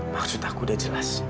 maksud aku sudah jelas